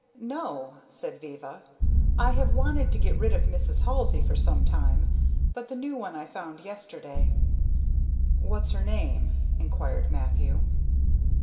"No," said Viva. "I have wanted to get rid of Mrs. Halsey for some time, but the new one I found yesterday." "What's her name?" inquired Mathew.